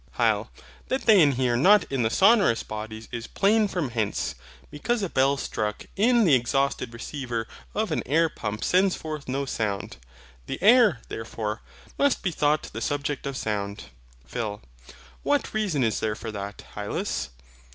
HYL. That they inhere not in the sonorous bodies is plain from hence: because a bell struck in the exhausted receiver of an air pump sends forth no sound. The air, therefore, must be thought the subject of sound. PHIL. What reason is there for that, Hylas?